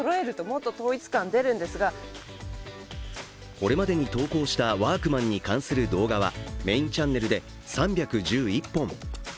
これまでに投稿したワークマンに関する動画はメインチャンネルで３１１本。